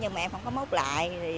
thì sáng sớm thì em không có móc lại